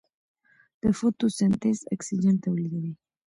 د فوټوسنتز اکسیجن تولیدوي.